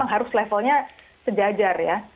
harus levelnya sejajar ya